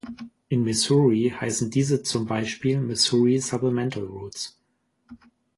In Missouri heißen diese zum Beispiel Missouri Supplemental Routes.